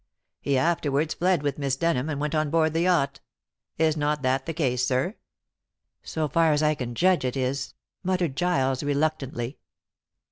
He afterwards fled with Miss Denham and went on board the yacht. Is not that the case, sir?" "So far as I can judge, it is," muttered Giles reluctantly.